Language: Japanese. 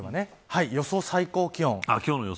予想最高気温。